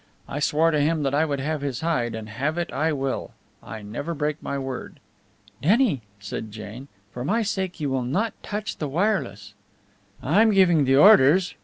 I swore to him that I would have his hide, and have it I will! I never break my word." "Denny," said Jane, "for my sake you will not touch the wireless." "I'm giving the orders!"